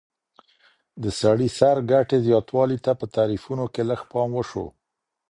د سړي سر ګټې زياتوالي ته په تعريفونو کي لږ پام وشو.